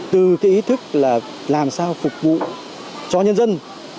từ cái ý thức là làm sao phục vụ cho nhân dân